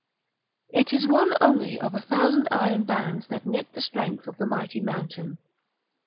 It is one only of a thousand iron bands that knit the strength of the mighty mountain.